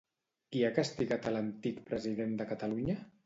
Qui ha castigat a l'antic president de Catalunya?